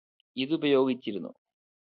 ഇതുപയോഗിച്ചിരുന്നു